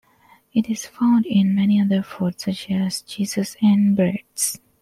It is found in many other foods, such as cheeses and breads.